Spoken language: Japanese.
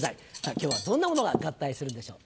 今日はどんなものが合体するんでしょう？